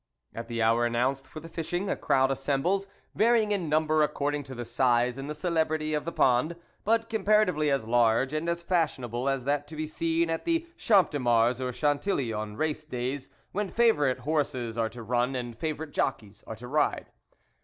At the hour announced for the fishing, a crowd assembles, varying in number according to the size and the celebrity of the pond, but comparatively as large and as fashionable as that to be seen at the Champ de Mars or Chantilly on race days when favourite horses are to run and favourite jockeys to ride.